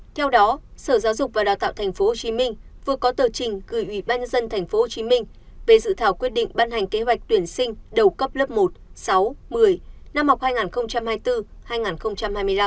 theo đó sở giáo dục và đào tạo tp hcm vừa có tờ trình gửi ủy ban nhân dân tp hcm về dự thảo quyết định ban hành kế hoạch tuyển sinh đầu cấp lớp một sáu một mươi năm học hai nghìn hai mươi bốn hai nghìn hai mươi năm